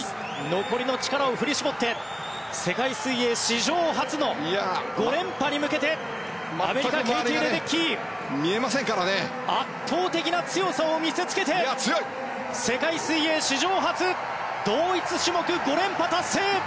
残りの力を振り絞って世界水泳史上初の５連覇に向けてアメリカ、ケイティ・レデッキー圧倒的な強さを見せつけて世界水泳史上初同一種目５連覇達成！